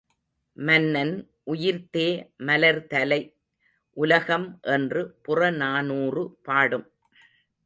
மன்னன் உயிர்த்தே மலர்தலை உலகம் என்று புறநானூறு பாடும்.